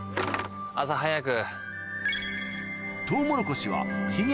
朝早く。